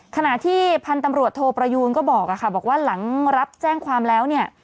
ขณะที่พันธุ์ตำรวจโทประยูนก็บอกค่ะบอกว่าหลังรับแจ้งความแล้วเนี่ย